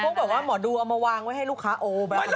เสื้อแบบว่าหมอดูวเอามาวางไว้ให้ลูกค้าโอแบบประดับเรื่อย